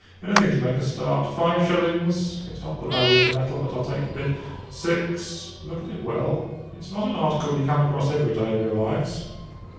Anything to make a start. Five shillings? It's not the value of the metal, but I'll take the bid. Six. Look at it well. It's not an article you come across every day of your lives."